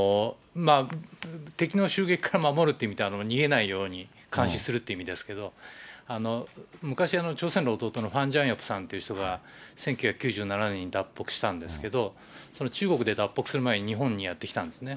敵の襲撃から守るという、逃げないように、監視するっていう意味ですけど、昔、朝鮮労働党のファン・ジャンヨプさんという人が１９９７年に脱北したんですけど、その中国で脱北する前に日本にやって来たんですね。